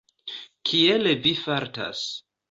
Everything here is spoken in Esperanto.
Kiel vi fartas?